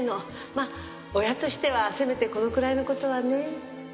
まあ親としてはせめてこのくらいの事はね。